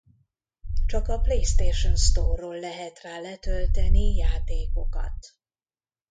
Csak a PlayStation Store-ról lehet rá letölteni játékokat.